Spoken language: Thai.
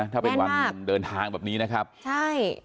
ถ้าเป็นวันเดินทางแบบนี้นะครับใช่